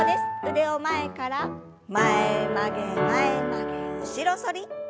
腕を前から前曲げ前曲げ後ろ反り。